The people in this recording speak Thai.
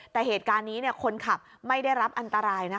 แต่เหตุการณ์นี้คนขับไม่ได้รับอันตรายนะ